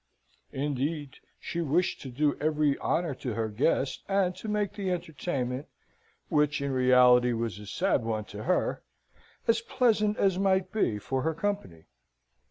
Indeed, she wished to do every honour to her guest, and to make the entertainment which, in reality, was a sad one to her as pleasant as might be for her company.